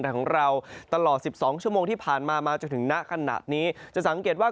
ของเราตลอด๑๒ชั่วโมงที่ผ่านมามาจนถึงณขณะนี้จะสังเกตว่า